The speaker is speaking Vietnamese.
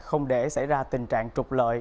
không để xảy ra tình trạng trục lợi